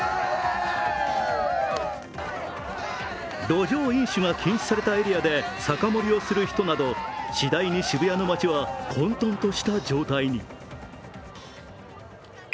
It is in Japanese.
路上飲酒が禁止されたエリアで酒盛りをする人など次第に渋谷の街は混とんとした状態に。